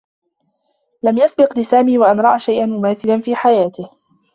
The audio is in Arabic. لم يسبق لسامي و أن رأى شيئا مماثلا في حياته.